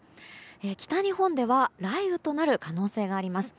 北日本では雷雨となる可能性があります。